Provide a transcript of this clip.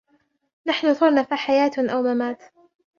نحن ثرنا فحياة أو ممات